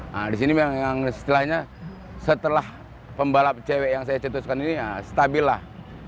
nah disini yang setelahnya setelah pembalap cewek yang saya cetuskan ini ya stabil lah